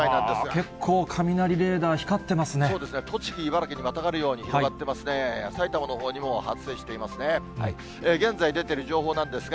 結構、雷レーダー光ってますそうですね、栃木、茨城にまたがるように広がっていますね。